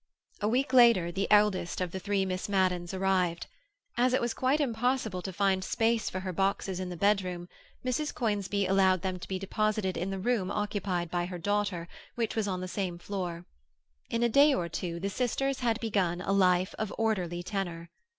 A week later the eldest of the three Miss Maddens arrived. As it was quite impossible to find space for her boxes in the bedroom, Mrs. Conisbee allowed them to be deposited in the room occupied by her daughter, which was on the same floor. In a day or two the sisters had begun a life of orderly tenor.